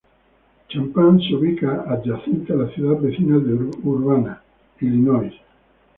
Champaign se ubica adyacente a la ciudad vecina de Urbana, Illinois.